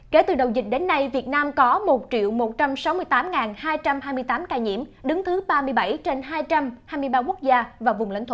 kể từ đầu dịch đến nay việt nam có một một trăm sáu mươi tám hai trăm hai mươi tám ca nhiễm đứng thứ ba mươi bảy trên hai trăm hai mươi ba quốc gia